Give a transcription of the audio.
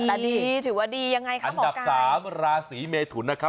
แต่ดีถือว่าดียังไงคะอันดับสามราศีเมทุนนะครับ